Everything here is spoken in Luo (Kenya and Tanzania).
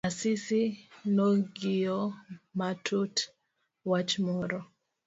Asisi nong'iyo matut wach moro.